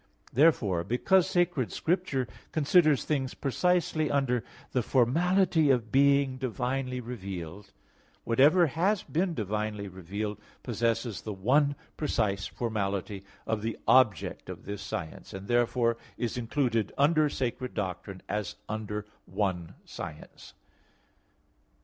Therefore, because Sacred Scripture considers things precisely under the formality of being divinely revealed, whatever has been divinely revealed possesses the one precise formality of the object of this science; and therefore is included under sacred doctrine as under one science.